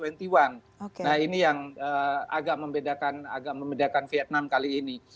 nah ini yang agak membedakan vietnam kali ini